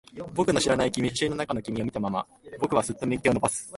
僕の知らない君。写真の中の君を見たまま、僕はすっと右手を伸ばす。